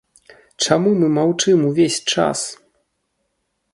Чаму мы маўчым ўвесь час?!